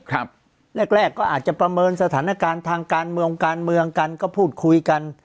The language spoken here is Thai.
แรกแรกก็อาจจะประเมินสถานการณ์ทางการเมืองการเมืองกันก็พูดคุยกัน